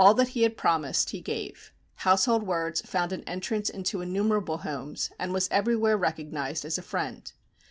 All that he had promised, he gave. Household Words found an entrance into innumerable homes, and was everywhere recognized as a friend.